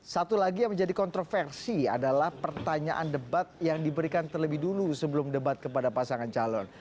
satu lagi yang menjadi kontroversi adalah pertanyaan debat yang diberikan terlebih dulu sebelum debat kepada pasangan calon